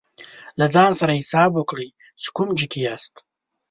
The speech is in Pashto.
له ځان سره حساب وکړئ چې کوم ځای کې یاست.